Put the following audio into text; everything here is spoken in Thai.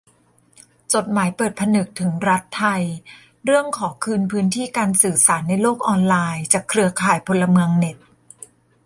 จดหมายเปิดผนึกถึงรัฐไทย เรื่องขอคืนพื้นที่การสื่อสารในโลกออนไลน์ จากเครือข่ายพลเมืองเน็ต